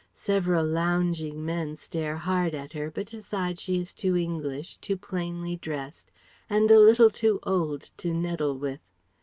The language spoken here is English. Several lounging men stare hard at her, but decide she is too English, too plainly dressed, and a little too old to neddle with.